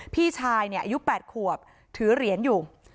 พี่ชายอายุ๘ขวบถือเหรียญอยู่